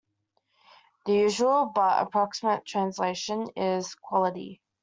The usual, but approximate translation is "quality".